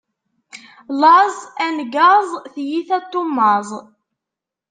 Laẓ, angaẓ, tiyita n tummaẓ.